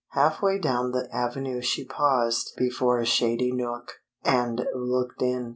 Half way down the avenue she paused before a shady nook, and looked in.